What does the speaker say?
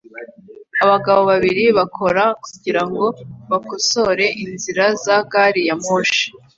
Abagabo babiri bakora kugirango bakosore inzira za gari ya moshi